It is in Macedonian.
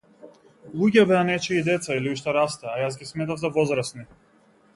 Луѓе беа нечии деца или уште растеа, а јас ги сметав за возрасни.